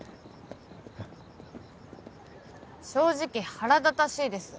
正直腹立たしいです。